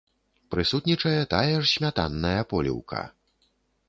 Прысутнічае тая ж смятанная поліўка!